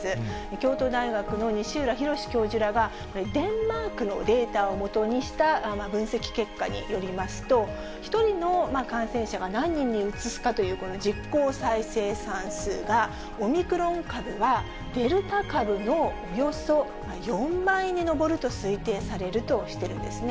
京都大学の西浦博教授らが、デンマークのデータを基にした分析結果によりますと、１人の感染者が何人にうつすかという実効再生産数が、オミクロン株はデルタ株のおよそ４倍に上ると推定されるとしているんですね。